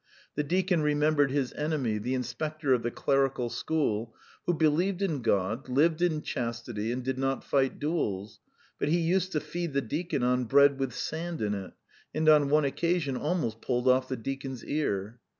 The deacon remembered his enemy, the inspector of the clerical school, who believed in God, lived in chastity, and did not fight duels; but he used to feed the deacon on bread with sand in it, and on one occasion almost pulled off the deacon's ear.